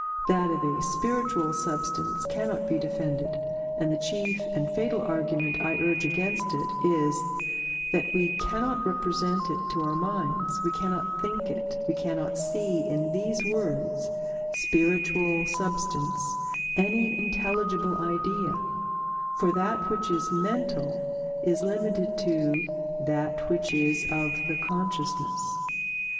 That of a spiritual substance cannot be defended, and the chief and fatal argument I urge against it is, that we cannot represent it to our minds, we cannot think it, and we cannot see in these words "spiritual substance" any intelligible idea; for that which is mental is limited to "that which is of the consciousness."